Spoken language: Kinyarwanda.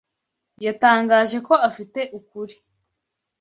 Yatangaje ko afite ukuri.